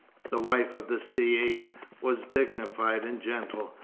The wife of the Caïd was dignified and gentle.